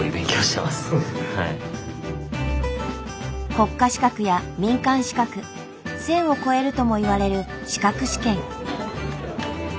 国家資格や民間資格１，０００を超えるともいわれる資格試験。